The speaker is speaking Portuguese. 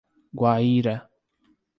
Guaíra